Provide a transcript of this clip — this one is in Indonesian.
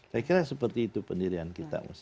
saya kira seperti itu pendirian kita